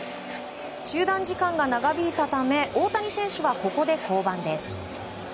中断時間が長引いたため大谷選手はここで降板です。